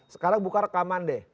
sekarang buka rekaman deh